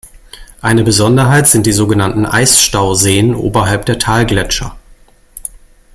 Eine Besonderheit sind die sogenannten Eisstauseen oberhalb der Talgletscher.